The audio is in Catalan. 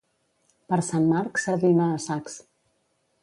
Per Sant Marc, sardina a sacs.